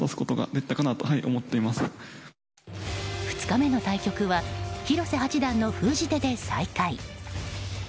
２日目の対局は広瀬八段の封じ手で再開。